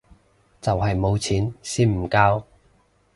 就係冇錢先唔交